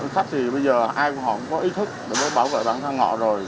khách thì bây giờ ai của họ cũng có ý thức để bảo vệ bản thân họ rồi